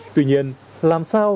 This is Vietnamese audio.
tuy nhiên làm sao